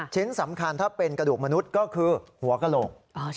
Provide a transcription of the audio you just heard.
ชิ้นสำคัญถ้าเป็นกระดูกมนุษย์ก็คือหัวกระโหลก